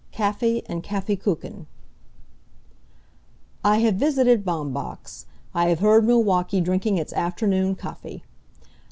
KAFFEE AND KAFFEEKUCHEN I have visited Baumbach's. I have heard Milwaukee drinking its afternoon Kaffee.